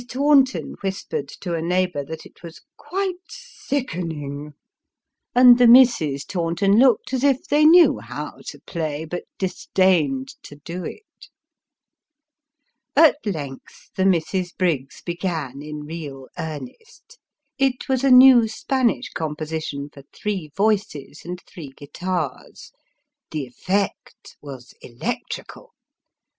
Taunton whispered to a neighbour that it was " quite sickening !" and the Misses Taunton looked as if they knew how to play, but disdained to do it. At length, the Misses Briggs began in real earnest. It was a new Spanish composition, for three voices and three guitars. The effect was electrical.